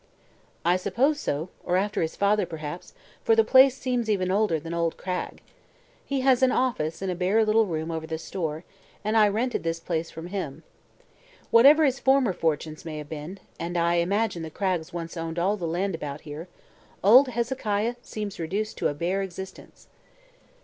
"I suppose so; or after his father, perhaps, for the place seems even older than old Cragg. He has an 'office' in a bare little room over the store, and I rented this place from him. Whatever his former fortunes may have been and I imagine the Craggs once owned all the land about here old Hezekiah seems reduced to a bare existence."